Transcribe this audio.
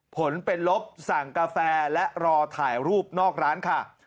ผลเป็นลบสั่งกาแฟและรอถ่ายรูปนอกร้านค่ะ